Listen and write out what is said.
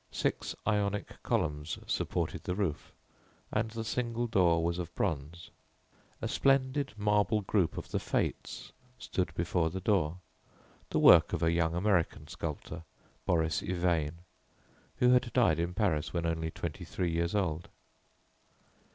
Six Ionic columns supported the roof, and the single door was of bronze. A splendid marble group of the "Fates" stood before the door, the work of a young American sculptor, Boris Yvain, who had died in Paris when only twenty three years old.